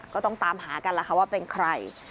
ก็ต้องตามหากันล่ะค่ะว่าเป็นใคร